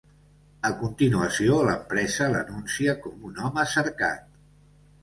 A continuació, l'empresa l'anuncia com un home cercat.